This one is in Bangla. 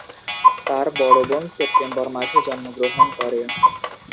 তার বড় বোন সেপ্টেম্বর মাসে জন্মগ্রহণ করে।